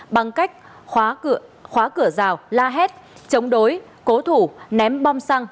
bằng cách khóa cửa rào la hét chống đối cố thủ ném bom xăng